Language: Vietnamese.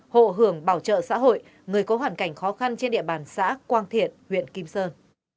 hộ hưởng bảo trợ xã hội người có hoàn cảnh khó khăn trên địa bàn xã quang thiện huyện kim sơn